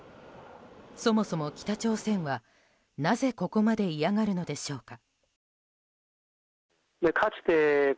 そもそも北朝鮮は、なぜここまで嫌がるのでしょうか。